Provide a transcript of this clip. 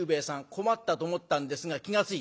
困ったと思ったんですが気が付いた。